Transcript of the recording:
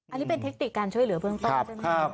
อันนี้เป็นเทคนิคการช่วยเหลือเบื้องต้นใช่ไหม